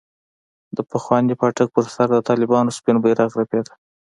د پخواني پاټک پر سر د طالبانو سپين بيرغ رپېده.